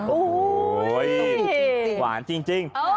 โอ้โหหวานจริง